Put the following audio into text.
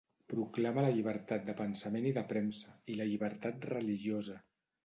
Proclama la llibertat de pensament i de premsa, i la llibertat religiosa.